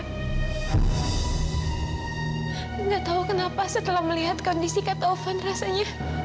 aku gak tau kenapa setelah melihat kondisi kata ofan rasanya